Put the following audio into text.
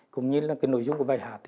cũng như là cái nội dung của bài hát